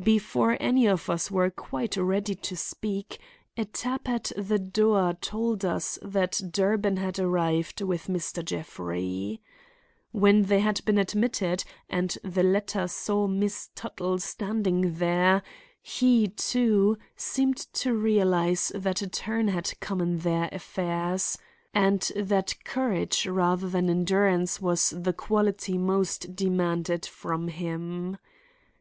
Before any of us were quite ready to speak, a tap at the door told us that Durbin had arrived with Mr. Jeffrey. When they had been admitted and the latter saw Miss Tuttle standing there, he, too, seemed to realize that a turn had come in their affairs, and that courage rather than endurance was the quality most demanded from him.